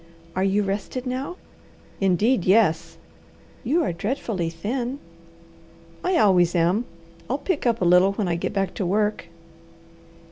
"Are you rested now?" "Indeed yes!" "You are dreadfully thin." "I always am. I'll pick up a little when I get back to work."